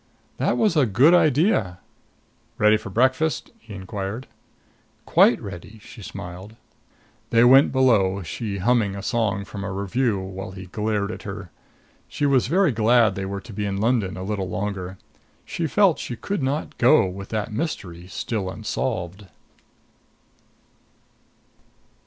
"That was a good idea." "Ready for breakfast?" he inquired. "Quite ready," she smiled. They went below, she humming a song from a revue, while he glared at her. She was very glad they were to be in London a little longer. She felt she could not go, with that mystery still unsolved.